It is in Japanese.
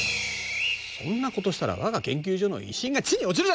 そんなことをしたらわが研究所の威信が地に落ちるじゃないか！